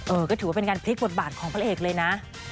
ก็ถือว่าเป็นการพลิกบทบาทของพระเอกเลยนะ